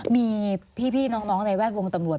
มีพี่น้องในแวดวงตำรวจ